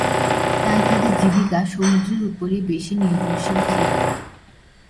তাই তাদের জীবিকা সমুদ্রের উপরই বেশি নির্ভরশীল ছিল।